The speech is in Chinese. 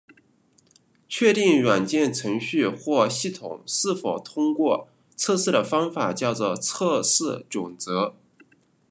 确定软件程序或系统是否通过测试的方法叫做测试准则。